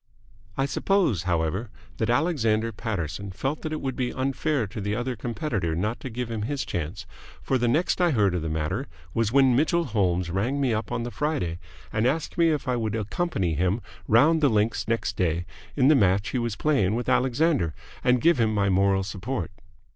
I suppose, however, that Alexander Paterson felt that it would be unfair to the other competitor not to give him his chance, for the next I heard of the matter was when Mitchell Holmes rang me up on the Friday and asked me if I would accompany him round the links next day in the match he was playing with Alexander, and give him my moral support.